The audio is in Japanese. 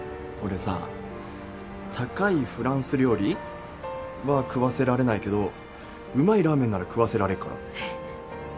俺さ高いフランス料理？は食わせられないけどうまいラーメンなら食わせられっから。